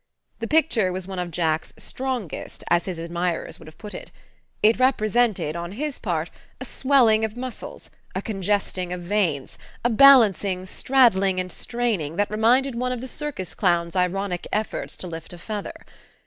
The picture was one of Jack's "strongest," as his admirers would have put it it represented, on his part, a swelling of muscles, a congesting of veins, a balancing, straddling and straining, that reminded one of the circus clown's ironic efforts to lift a feather.